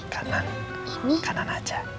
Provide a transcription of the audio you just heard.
kanan kanan aja